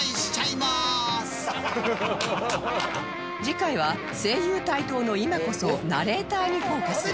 次回は声優台頭の今こそナレーターにフォーカス